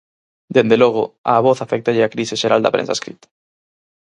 Dende logo, á Voz aféctalle a crise xeral da prensa escrita.